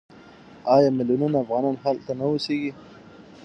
آیا میلیونونه افغانان هلته نه اوسېږي؟